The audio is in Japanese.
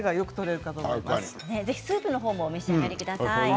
ぜひスープもお召し上がりください。